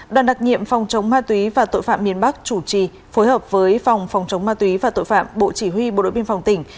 đoàn đặc nhiệm phòng chống ma túy và tội phạm miền bắc chủ trì phối hợp với phòng phòng chống ma túy và tội phạm bộ chỉ huy bộ đội biên phòng tỉnh